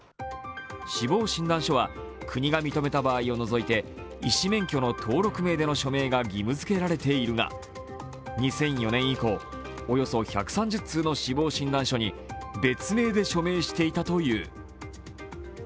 死亡診断書は国が認めた場合を除いて医師免許の登録名での署名が義務づけられているが２００４年以降、およそ１３０通の死亡診断書に別名で署名していたという。